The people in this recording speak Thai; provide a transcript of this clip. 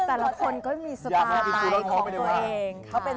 แต่ละคนก็มีสตายของเค้าเอง